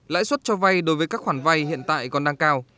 lãi suất cho vay đối với các khoản vay hiện tại còn đang cao